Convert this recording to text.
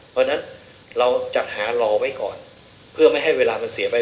เพราะฉะนั้นเราจัดหารอไว้ก่อนเพื่อไม่ให้เวลามันเสียไป